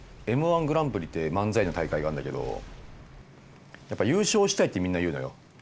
Ｍ−１グランプリって漫才の大会があるんだけど「優勝したい」ってみんな言うのよ。